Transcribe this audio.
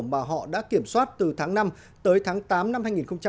mà họ đã kiểm soát từ tháng năm tới tháng tám năm hai nghìn một mươi sáu